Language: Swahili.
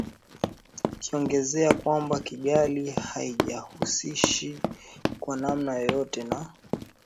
ikiongezea kwamba Kigali haijihusishi kwa namna yoyote na